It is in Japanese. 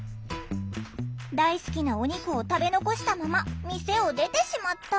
大好きなお肉を食べ残したまま店を出てしまった。